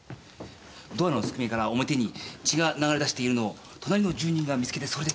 ドアの透き間から表に血が流れ出しているのを隣の住人が見つけてそれで通報を。